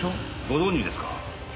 ご存じですか？